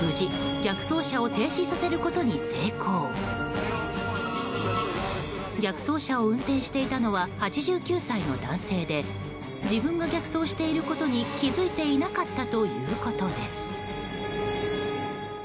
逆走車を運転していたのは８９歳の男性で自分が逆走していることに気づいていなかったということです。